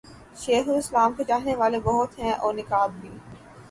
شیخ الاسلام کے چاہنے والے بہت ہیں اور نقاد بھی۔